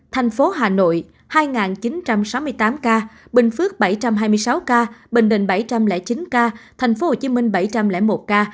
thành phố hà nội hai chín trăm sáu mươi tám ca bình phước bảy trăm hai mươi sáu ca bình định bảy trăm linh chín ca thành phố hồ chí minh bảy trăm linh một ca